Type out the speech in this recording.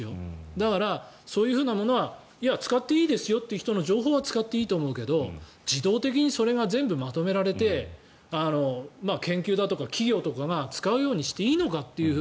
だから、そういうものはいや、使っていいですよという人の情報は使っていいと思うけど自動的にそれが全部まとめられて研究だとか企業だとかが使うようにしていいのかという。